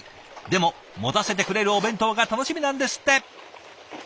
でも持たせてくれるお弁当が楽しみなんですって。